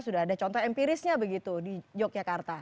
sudah ada contoh empirisnya begitu di yogyakarta